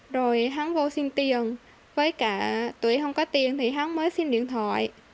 rồi hắn vô xin tiền với cả tụi em không có tiền thì hắn mới xin điện thoại